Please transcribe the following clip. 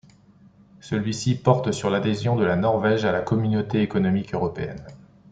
Celui-ci porte sur l'adhésion de la Norvège à la Communauté économique européenne.